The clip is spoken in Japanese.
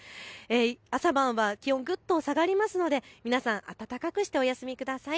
朝晩は気温ぐっと下がりますので、皆さん暖かくしてお休みください。